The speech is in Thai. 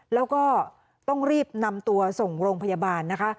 แล้วก็ต้องรีบนำตัวส่งโรงพยาบาลนะคะ